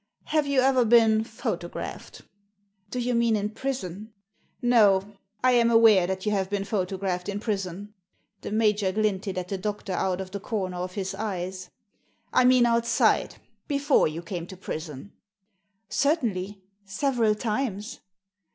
Have you ever been photographed ?"" Do you mean in prison ?" •'No — I am aware that you have been photo graphed in prison." The major glinted at the doctor out of the comer of his eyes. "I mean outside — before you came to prison?" " Certainly — several times."